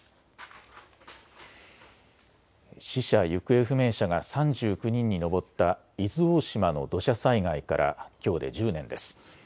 死者・行方不明者が３９人に上った伊豆大島の土砂災害からきょうで１０年です。